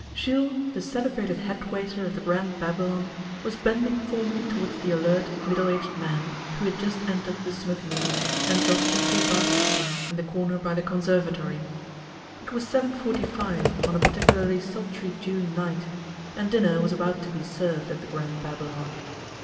Jules, the celebrated head waiter of the Grand Babylon, was bending formally towards the alert, middle aged man who had just entered the smoking room and dropped into a basket chair in the corner by the conservatory. It was 7.45 on a particularly sultry June night, and dinner was about to be served at the Grand Babylon.